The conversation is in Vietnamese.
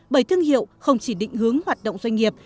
bởi thương hiệu không chỉ định hướng hoạt động doanh nghiệp